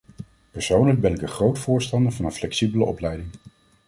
Persoonlijk ben ik een groot voorstander van een flexibele opleiding.